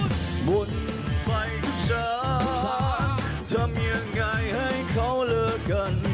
หมุนไปกุศาทำยังไงให้เขาเลือกกัน